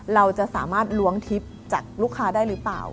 เราจะสามารถล้วงทิพย์จากลูกค้าได้หรือเปล่า